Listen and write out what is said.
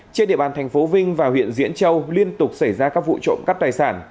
trên địa bàn tp vinh và huyện diễn châu liên tục xảy ra các vụ trộm cắp tài sản